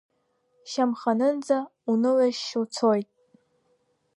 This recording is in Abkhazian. Шьамханынӡа унылашьшьы уцоит.